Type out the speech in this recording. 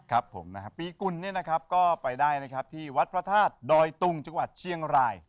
ครับผมนะครับปีกุลเนี่ยนะครับก็ไปได้นะครับที่วัดพระธาตุดอยตุงจังหวัดเชียงราย